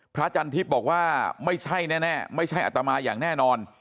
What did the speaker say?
จันทิพย์บอกว่าไม่ใช่แน่ไม่ใช่อัตมาอย่างแน่นอน